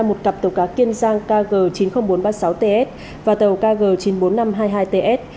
một cặp tàu cá kiên giang kg chín mươi nghìn bốn trăm ba mươi sáu ts và tàu kg chín mươi bốn nghìn năm trăm hai mươi hai ts